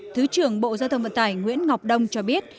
thứ trưởng bộ giao thông vận tải nguyễn ngọc đông cho biết